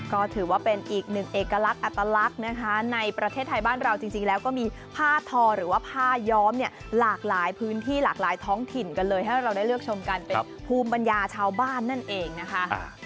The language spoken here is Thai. ก็ถือว่าเป็นอีกหนึ่งเอกลักษณ์อัตลักษณ์นะคะในประเทศไทยบ้านเราจริงแล้วก็มีผ้าทอหรือว่าผ้าย้อมเนี่ยหลากหลายพื้นที่หลากหลายท้องถิ่นกันเลยให้เราได้เลือกชมกันเป็นภูมิปัญญาชาวบ้านนั่นเองนะคะ